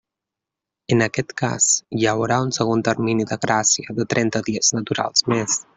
En aquest cas, hi haurà un segon termini de gràcia de trenta dies naturals més.